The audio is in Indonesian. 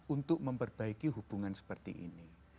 untuk memperbaiki hubungan seperti ini